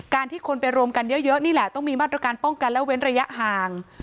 ที่คนไปรวมกันเยอะนี่แหละต้องมีมาตรการป้องกันและเว้นระยะห่าง